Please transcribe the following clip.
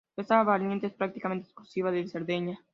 Esta variante es prácticamente exclusiva de Cerdeña.